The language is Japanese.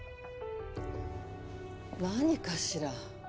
何かしら？